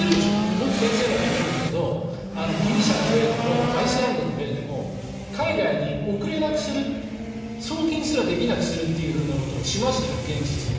僕、先生の本を読んだけどギリシャの例でもアイスランドの例でも海外に送れなくする送金すらできなくするってことをしましたよね、現実に。